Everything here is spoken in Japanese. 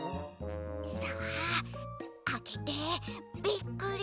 さああけてびっくり。